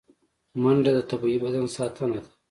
منډه د طبیعي بدن ساتنه ده